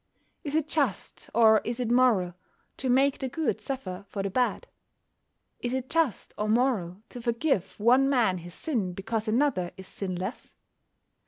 Is it just, or is it moral, to make the good suffer for the bad? Is it just or moral to forgive one man his sin because another is sinless?